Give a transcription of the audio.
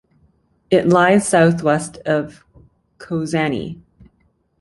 It lies southwest of Kozani.